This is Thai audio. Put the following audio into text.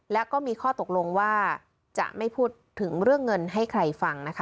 และก็มีข้อตกลงว่าจะไม่พูดถึงเรื่องเงินให้ใครฟังนะคะ